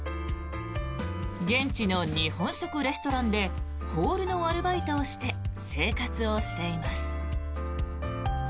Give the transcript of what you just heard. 現地の日本食レストランでホールのアルバイトをして生活をしています。